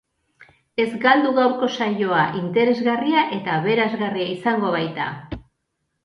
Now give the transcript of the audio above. Ez galdu gaurko saioa, interesgarria eta aberasgarria izango baita!